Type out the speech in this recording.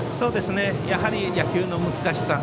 やはり野球の難しさ。